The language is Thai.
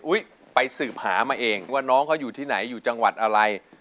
ไปสืบหามาเองว่าน้องเขาอยู่ที่ไหนอยู่จังหวัดอะไร